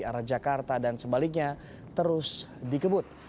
arah jakarta dan sebaliknya terus dikebut